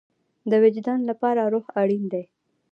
د وجدان لپاره روح اړین دی